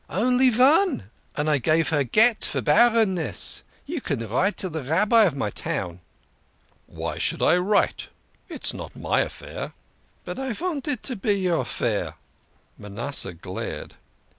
Only von, and her I gave gett (divorce) for barrenness. You can write to de Rabbi of my town." " Why should I write ? It's not my affair." " But I vant it to be your affair." Manasseh glared.